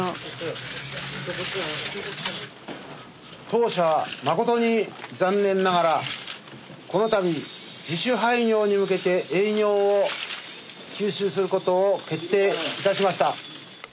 当社誠に残念ながらこの度自主廃業に向けて営業を休止することを決定いたしました。